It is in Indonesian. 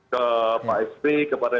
ke pak sbe kepada